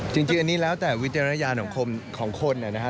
จริงอันนี้แล้วแต่วิจารณญาณของคนนะครับ